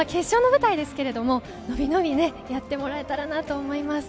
ですけれど決勝の舞台ですから伸び伸びやってもらえたらなと思い